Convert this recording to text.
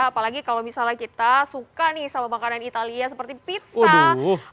apalagi kalau misalnya kita suka nih sama makanan italia seperti pizza